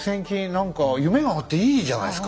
何か夢があっていいじゃないですか。